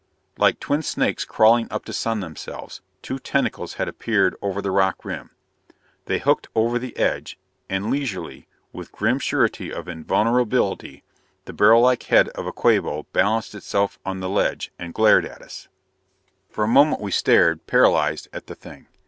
Like twin snakes crawling up to sun themselves, two tentacles had appeared over the rock rim. They hooked over the edge; and leisurely, with grim surety of invulnerability, the barrel like head of a Quabo balanced itself on the ledge and glared at us. For a moment we stared, paralyzed, at the Thing.